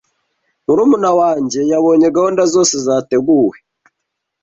Murumuna wanjye yabonye gahunda zose zateguwe.